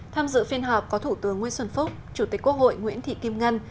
tham dự phiên họp có thủ tướng nguyễn xuân phúc chủ tịch quốc hội nguyễn thị kim ngân